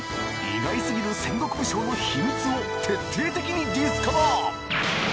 意外すぎる戦国武将のヒミツを徹底的にディスカバ！